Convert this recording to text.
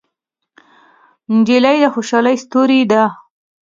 نجلۍ د خوشحالۍ ستورې ده.